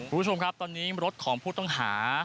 คุณผู้ชมครับตอนนี้รถของผู้ต้องหา